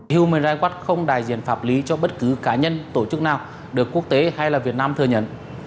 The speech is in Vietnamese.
human rights watch không đại diện pháp lý cho bất cứ cá nhân tổ chức nào được quốc tế hay là việt nam thừa nhận